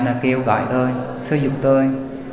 nó kêu gọi tôi sử dụng tôi